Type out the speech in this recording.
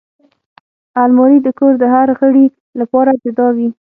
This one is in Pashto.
الماري د کور د هر غړي لپاره جدا وي